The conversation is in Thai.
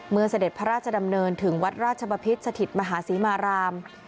เสด็จพระราชดำเนินถึงวัดราชบพิษสถิตมหาศรีมาราม